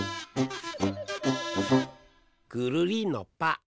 ぐるりんのぱ！